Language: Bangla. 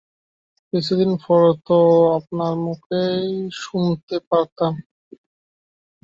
কিছু দিন পর তো আপনার মুখেই শুনতে পারতাম।